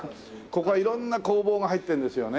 ここは色んな工房が入ってるんですよね？